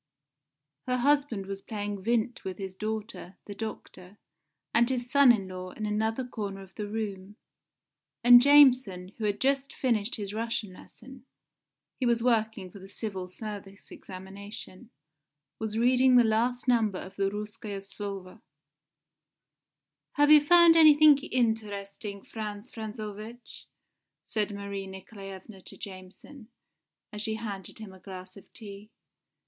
Her husband was playing Vindt with his daughter, the doctor, and his son in law in another corner of the room. And Jameson, who had just finished his Russian lesson he was working for the Civil Service examination was reading the last number of the Rouskoe Slovo. "Have you found anything interesting, Frantz Frantzovitch?" said Marie Nikolaevna to Jameson, as she handed him a glass of tea.